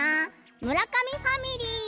村上ファミリー。